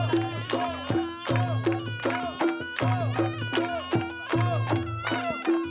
secara emas para perempuan